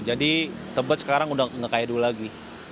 jadi tebet sekarang udah ngekaya dua lagi